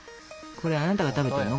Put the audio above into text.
これあなたが食べてるの？